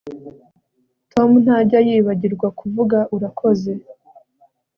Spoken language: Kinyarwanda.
Tom ntajya yibagirwa kuvuga urakoze